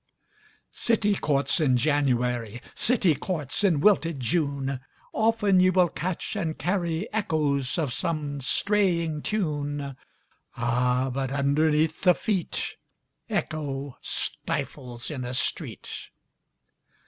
City courts in January,—City courts in wilted June, Often ye will catch and carryEchoes of some straying tune; Ah, but underneath the feetEcho stifles in a street.